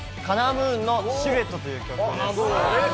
−ＢＯＯＮの「シルエット」という曲です。